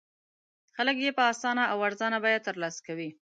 خلک یې په اسانه او ارزانه بیه تر لاسه کوي.